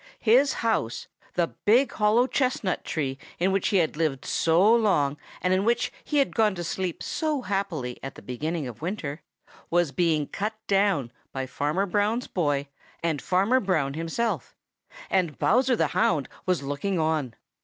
His house, the big hollow chestnut tree in which he had lived so long and in which he had gone to sleep so happily at the beginning of winter, was being cut down by Farmer Brown's boy and Farmer Brown himself, and Bowser the Hound was looking on.